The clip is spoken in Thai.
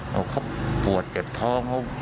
นะคะเขาปวดเจ็บท้อง